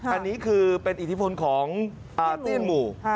อันนี้คือเป็นอิทธิพลของอาเตี้ยนหมู่